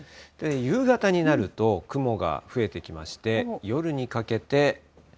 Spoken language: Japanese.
夕方になると、雲が増えてきまして、夜にかけて。